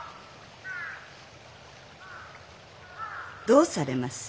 どうされます？